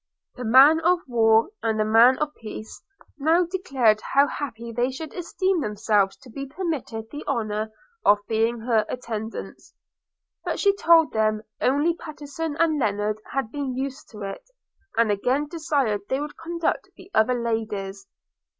The man of war, and the man of peace, now declared how happy they should esteem themselves to be permitted the honour of being her attendants; but she told them, only Pattenson and Lennard had been used to it, and again desired they would conduct the other ladies.